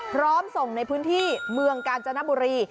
พร้อมส่งในพื้นที่เมืองกาญจนบุรี